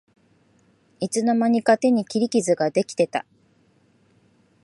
いつの間にか手に切り傷ができてた